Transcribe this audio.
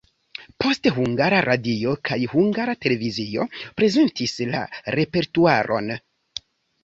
Poste Hungara Radio kaj Hungara Televizio prezentis la repertuaron.